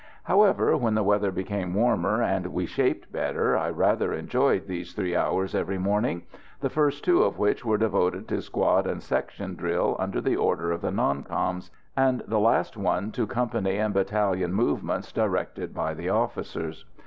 However, when the weather became warmer and we "shaped" better, I rather enjoyed these three hours every morning; the first two of which were devoted to squad and section drill under the order of the "non coms," and the last one to company and battalion movements directed by the officers.